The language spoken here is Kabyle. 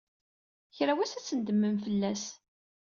Kra n wass, ad tnedmem fell-as.